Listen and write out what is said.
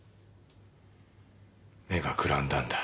目が眩んだんだ。